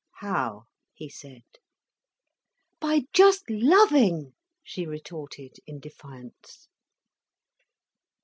"How?" he said. "By just loving," she retorted in defiance.